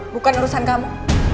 bukan urusan kamu